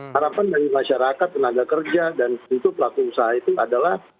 harapan dari masyarakat tenaga kerja untuk pelaku usaha itu adalah untuk dapat bergerak dan tumbuh